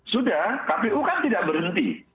sudah kpu kan tidak berhenti